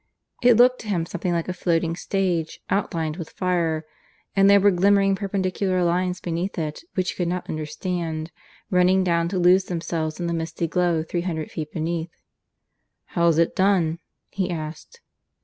It looked to him something like a floating stage, outlined with fire; and there were glimmering, perpendicular lines beneath it which he could not understand, running down to lose themselves in the misty glow three hundred feet beneath. "How's it done?" he asked.